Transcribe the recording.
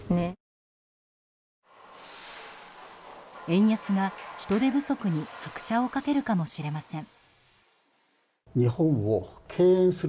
円安が、人手不足に拍車を掛けるかもしれません。